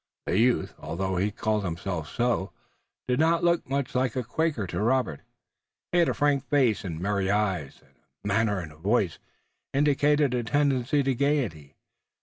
The youth, although he called himself so, did not look much like a Quaker to Robert. He had a frank face and merry eyes, and manner and voice indicated a tendency to gayety.